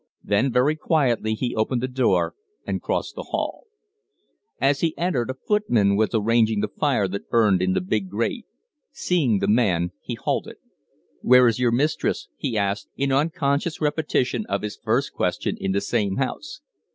Then very quietly he opened the door and crossed the hall. As he entered, a footman was arranging the fire that burned in the big grate. Seeing the man, he halted. "Where is your mistress?" he asked, in unconscious repetition of his first question in the same house.